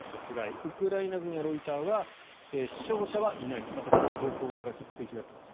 ウクライナ軍やロイターは死傷者はいないと情報が食い違っていますが。